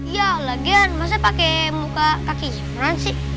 ya lagian masa pake muka kakek imran sih